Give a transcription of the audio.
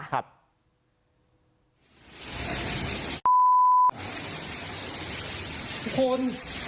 พี่คน